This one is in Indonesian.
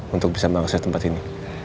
untuk bisa mengakses tempat ini